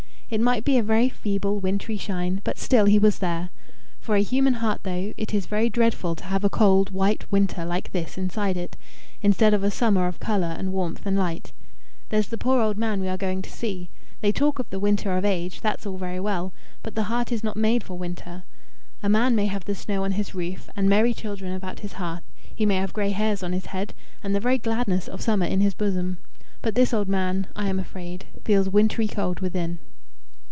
It might be a very feeble wintry shine, but still he was there. For a human heart though, it is very dreadful to have a cold, white winter like this inside it, instead of a summer of colour and warmth and light. There's the poor old man we are going to see. They talk of the winter of age: that's all very well, but the heart is not made for winter. A man may have the snow on his roof, and merry children about his hearth; he may have grey hairs on his head, and the very gladness of summer in his bosom. But this old man, I am afraid, feels wintry cold within."